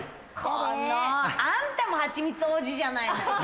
あんたもはちみつ王子じゃないの！